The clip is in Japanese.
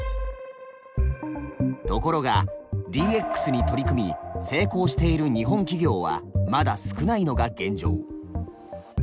ところがＤＸに取り組み成功している日本企業はまだ少ないのが現状。